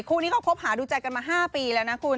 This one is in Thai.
คู่นี้เขาคบหาดูใจกันมา๕ปีแล้วนะคุณ